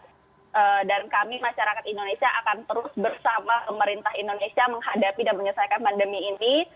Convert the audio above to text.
kami masyarakat indonesia akan terus bersama pemerintah indonesia menghadapi dan menyelesaikan pandemi ini